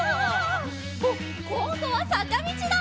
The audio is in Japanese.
あっこんどはさかみちだ！